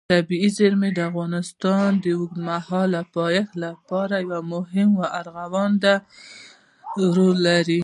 طبیعي زیرمې د افغانستان د اوږدمهاله پایښت لپاره یو مهم او رغنده رول لري.